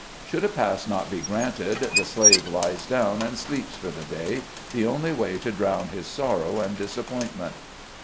Should a pass not be granted, the slave lies down, and sleeps for the day — the only way to drown his sorrow and disappointment.